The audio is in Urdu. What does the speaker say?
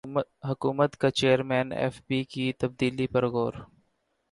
حکومت کا چیئرمین ایف بی کی تبدیلی پر غور